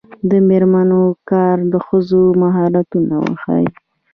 د میرمنو کار د ښځو مهارتونه ورښيي.